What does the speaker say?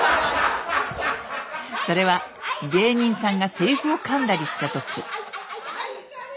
それは芸人さんがセリフをかんだりした時。